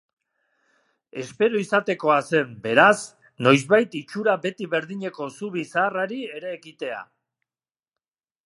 Espero izatekoa zen, beraz, noizbait itxura beti-berdineko zubi zaharrari ere ekitea.